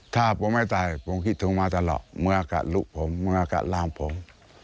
ถ้าผมไม่ตายผมคิดถึงมาตลอดเมื่อกัดลูกผมเมื่อกัดร่างผม